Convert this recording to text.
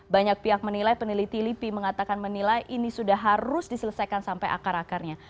banyak pihak menilai peneliti lipi mengatakan menilai ini sudah harus diselesaikan sampai akar akarnya